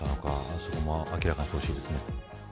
そこは明らかにしてほしいです。